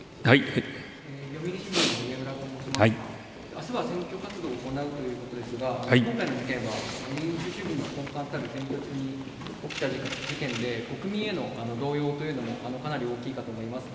明日は選挙活動を行うということですが民主主義の根幹たる選挙中に起きた事件で国民の動揺もかなり大きいかと思います。